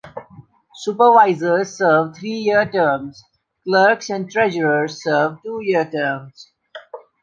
Supervisors serve three year terms; Clerks and Treasurers serve two year terms.